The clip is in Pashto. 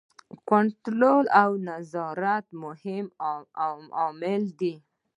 کنټرول او نظارت مهم عامل دی.